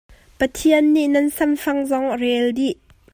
Pathian nih nan samfang zong a rel dih.